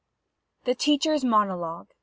THE TEACHER'S MONOLOGUE.